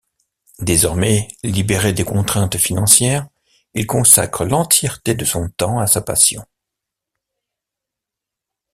Désormais libéré des contraintes financières, il consacre l'entièreté de son temps à sa passion.